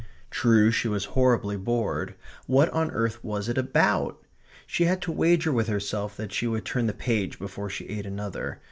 True, she was horribly bored. What on earth was it ABOUT? She had to wager with herself that she would turn the page before she ate another.